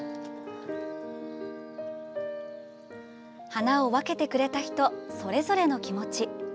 花を分けてくれた人それぞれの気持ち。